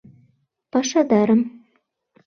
Пашадарым